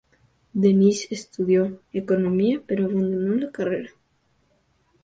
Denis estudió economía, pero abandonó la carrera.